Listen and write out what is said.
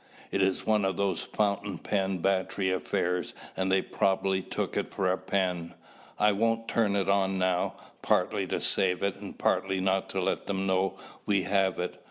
It is one of those fountain pen battery affairs and they probably took it for a pen. I won't turn it on now, partly to save it and partly not to let them know we have it.